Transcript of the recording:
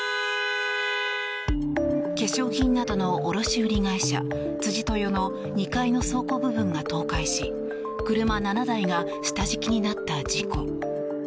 化粧品などの卸売会社、辻豊の２階の倉庫部分が倒壊し車７台が下敷きになった事故。